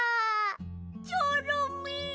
チョロミー！